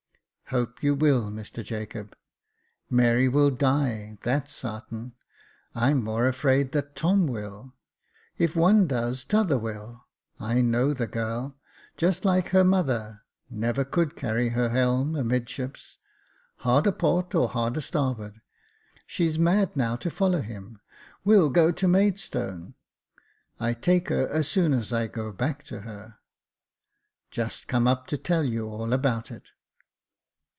"Hope you will. Mister Jacob. Mary will die, that's sartain. I'm more afraid that Tom will. If one does, t'other will. I know the girl — just like her mother, never could carry her helm amidships, hard a port or hard a starboard. She's mad now to follow him — will go to Maidstone. I take her as soon as I go back to her. Just come up to tell you all about it."